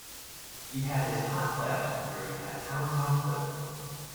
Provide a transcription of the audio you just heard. He had his "hot flash" conversion at Towns Hospital.